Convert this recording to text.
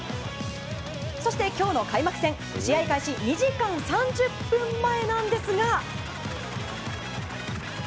そして今日の開幕戦、試合開始２時間３０分前なんですが。